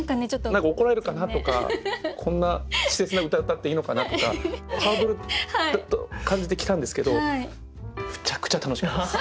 何か「怒られるかな？」とか「こんな稚拙な歌詠っていいのかな？」とかハードル感じて来たんですけどむちゃくちゃ楽しかったです。